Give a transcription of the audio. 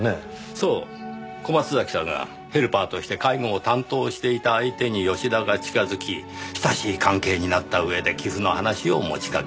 そう小松崎さんがヘルパーとして介護を担当していた相手に吉田が近づき親しい関係になった上で寄付の話を持ちかける。